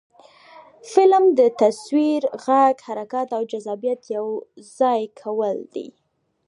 فلم د تصویر، غږ، حرکت او جذابیت یو ځای کول دي